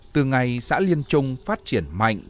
từ ngày xã liên trung phát triển mạnh